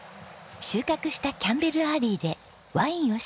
収穫したキャンベル・アーリーでワインを仕込みます。